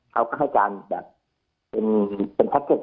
เค้าก็ใช้การเป็นแบตเก็ต